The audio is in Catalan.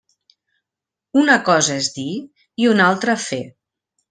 Una cosa és dir i una altra fer.